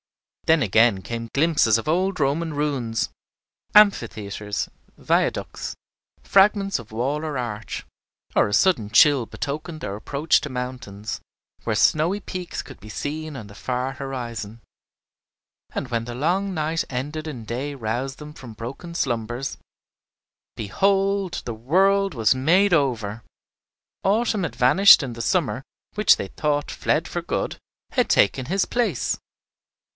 Then again came glimpses of old Roman ruins, amphitheatres, viaducts, fragments of wall or arch; or a sudden chill betokened their approach to mountains, where snowy peaks could be seen on the far horizon. And when the long night ended and day roused them from broken slumbers, behold, the world was made over! Autumn had vanished, and the summer, which they thought fled for good, had taken his place.